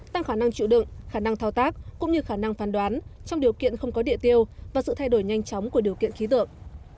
tăng khả năng chịu đựng khả năng thao tác cũng như khả năng phán đoán trong điều kiện không có địa tiêu và sự thay đổi nhanh chóng của điều kiện khí tượng